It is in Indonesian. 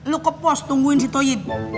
lo ke pos tungguin si toyin